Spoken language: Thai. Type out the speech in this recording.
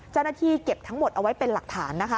เจ้าหน้าที่เก็บทั้งหมดเอาไว้เป็นหลักฐานนะคะ